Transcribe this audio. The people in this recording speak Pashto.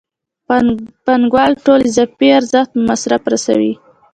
پانګوال ټول اضافي ارزښت په مصرف رسوي